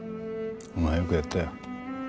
お前はよくやったよ。